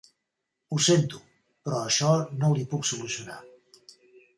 Ho sento, però això no li puc solucionar.